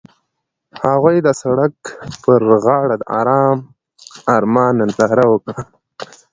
هغوی د سړک پر غاړه د آرام آرمان ننداره وکړه.